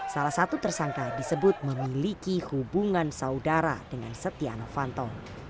salah satu tersangka disebut memiliki hubungan saudara dengan setia novanto